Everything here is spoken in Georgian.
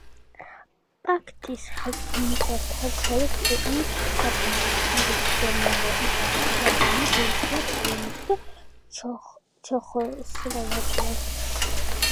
პაქტის ხელმომწერთა შორის იყვნენ საფრანგეთი, ინგლისი, გერმანია, იტალია, იაპონია, ბელგია, პოლონეთი და ჩეხოსლოვაკია.